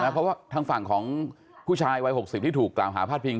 เพราะว่าทางฝั่งของผู้ชายวัย๖๐ที่ถูกกล่าวหาพาดพิง